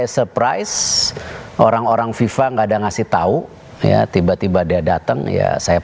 di sini presiden viva orang langsung melihat wah pak erik manggel presiden gwinneya